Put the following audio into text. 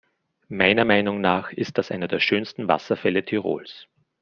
Meiner Meinung nach ist das einer der schönsten Wasserfälle Tirols.